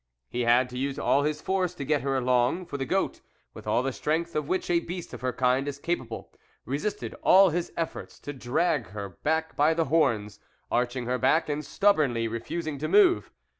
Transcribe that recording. He had to use all his force to get her along, for the goat, with all the strength of which a beast of her kind is capable, resisted all his efforts to drag her back by the horns, arching her back, and stubbornly refusing to move.